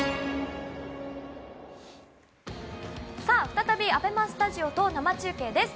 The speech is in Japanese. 再びＡＢＥＭＡスタジオと生中継です。